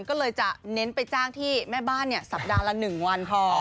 ก็เลยจะเน้นไปจ้างที่แม่บ้านเนนี่ยสัปดาห์ละหนึ่งวันพอ